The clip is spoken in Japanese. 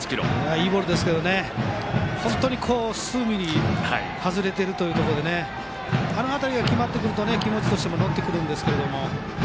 いいボールですが本当に数ミリ外れているところでこの辺り決まってくると気持ちとしても乗ってくるんですが。